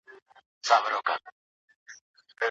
که ته ښوونځي ته ځې نو له خپلو ملګرو سره لیدلای سې.